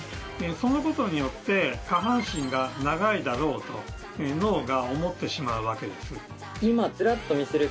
そのことによって下半身が長いだろうと脳が思ってしまうわけです。